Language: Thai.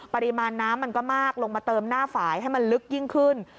ปริมาณน้ำมันก็มากลงมาเติมหน้าฝ่ายให้มันลึกยิ่งขึ้น